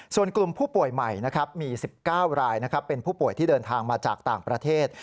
ส่วนกลุ่มผู้ป่วยใหม่มี๑๙รายเป็นผู้ป่วยที่เดินทางมาจากต่างประเทศ